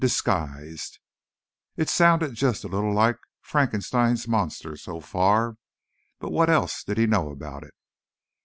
Disguised It sounded just a little like Frankenstein's Monster, so far. But what else did he know about it?